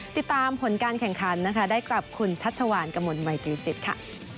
ติดตามผลการแข่งขันนะคะได้กับคุณชัชวานกระมวลวัยจิลจิตค่ะ